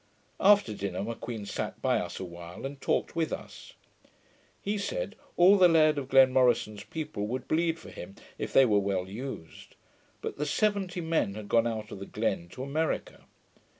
After dinner, M'Queen sat by us a while, and talked with us. He said, all the Laird of Glenmorison's people would bleed for him, if they were well used; but that seventy men had gone out of the Glen to America.